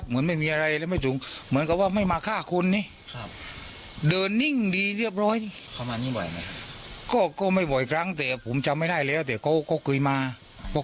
มาอยู่บ้านประมาณอาทิตย์กว่า